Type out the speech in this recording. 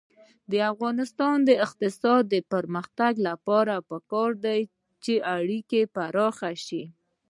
د افغانستان د اقتصادي پرمختګ لپاره پکار ده چې اړیکې پراخې شي.